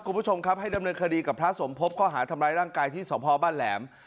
คุณผู้ชมครับให้ดำเนินคดีกับพระสมภพข้อหาทำร้ายร่างกายที่สพบ้านแหลม